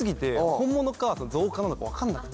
本物か造花なのか分かんなくて。